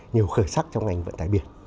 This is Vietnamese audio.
nhiều khởi sắc trong ngành vận tải biển